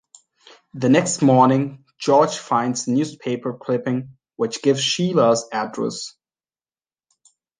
The next morning, George finds a newspaper clipping which gives Sheila's address.